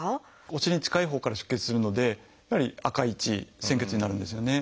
お尻に近いほうから出血するのでやはり赤い血鮮血になるんですよね。